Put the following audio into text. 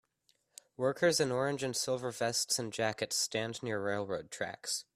Workers in orange and silver vests and jackets stand near railroad tracks.